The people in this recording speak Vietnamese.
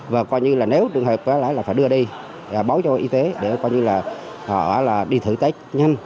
và coi như là nếu trường hợp là phải đưa đi báo cho y tế để coi như là họ đi thử tết nhanh